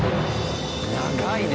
長いね。